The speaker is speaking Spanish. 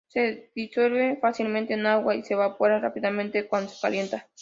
Se disuelve fácilmente en agua y se evapora rápidamente cuando se calienta.